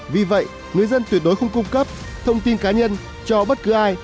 vì vậy người dân tuyệt đối không cung cấp thông tin cá nhân cho bất cứ ai